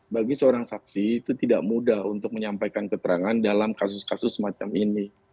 bagi seorang saksi itu tidak mudah untuk menyampaikan keterangan dalam kasus kasus semacam ini